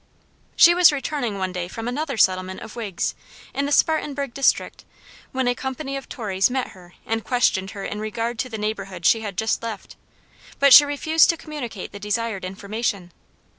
She was returning one day from another settlement of Whigs, in the Spartanburg district, when a company of Tories met her and questioned her in regard to the neighborhood she had just left; but she refused to communicate the desired information.